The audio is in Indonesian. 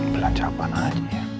belanjapan aja ya